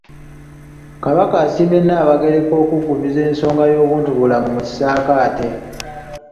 Kabaka asiimye Nnaabagereka okuggumiza ensonga y'obuntubulamu mu kisaakaate.